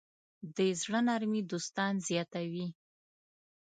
د زړۀ نرمي دوستان زیاتوي.